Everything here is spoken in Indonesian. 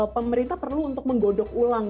pemerintah perlu untuk menggodok ulang